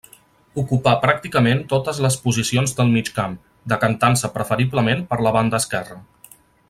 Ocupà pràcticament totes les posicions del migcamp, decantant-se preferiblement per la banda esquerra.